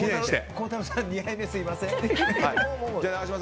孝太郎さん、２杯目すみません。